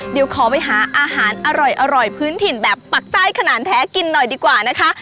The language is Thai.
เดี๋ยวขอไปหาอาหารอร่อยพื้นถิ่นแบบปักใต้ขนาดแท้กินหน่อยดีกว่านะคะ